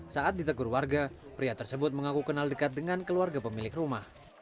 saat ditegur warga pria tersebut mengaku kenal dekat dengan keluarga pemilik rumah